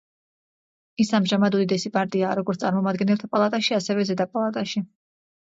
ის ამჟამად უდიდესი პარტიაა, როგორც წარმომადგენელთა პალატაში, ასევე ზედა პალატაში.